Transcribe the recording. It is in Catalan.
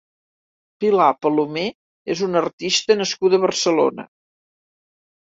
Pilar Palomer és una artista nascuda a Barcelona.